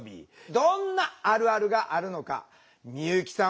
どんなあるあるがあるのか美由紀さん